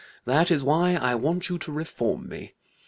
That is why I want you to reform me.